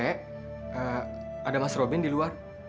ada mas robin di luar